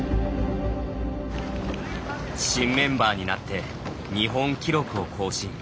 新メンバーになって日本記録を更新。